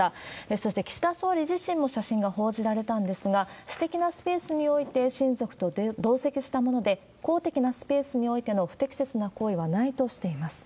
そして、岸田総理自身も写真が報じられたんですが、私的なスペースにおいて親族と同席したもので、公的なスペースにおいての不適切な行為はないとしています。